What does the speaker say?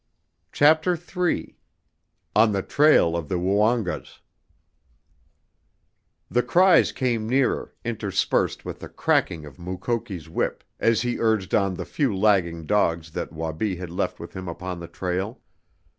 CHAPTER III ON THE TRAIL OF THE WOONGAS The cries came nearer, interspersed with the cracking of Mukoki's whip as he urged on the few lagging dogs that Wabi had left with him upon the trail.